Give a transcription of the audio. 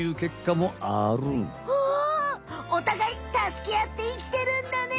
おたがいたすけあって生きてるんだね！